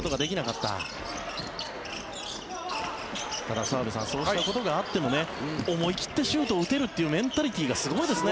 ただ、澤部さんそうしたことがあって思い切ってシュートを打てるというメンタリティーがすごいですね。